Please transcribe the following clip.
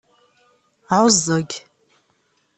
Ɛuẓẓeg.